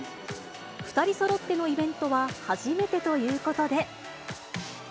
２人そろってのイベントは初めてということで。